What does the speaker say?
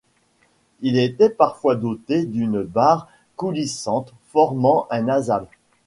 Il était parfois doté d'une barre coulissante formant un nasal.